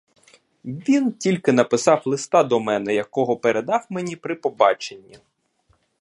Він тільки написав листа до мене, якого передав мені при побаченні.